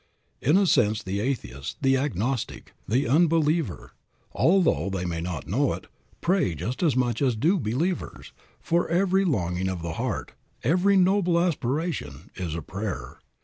In a sense the atheist, the agnostic, the unbeliever, although they may not know it, pray just as much as do believers, for every longing of the heart, every noble aspiration, is a prayer.